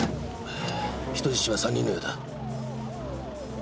人質は３人のようだ。